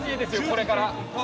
これから。